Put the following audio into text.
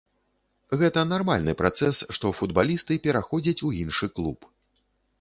Гэта нармальны працэс, што футбалісты пераходзяць у іншы клуб.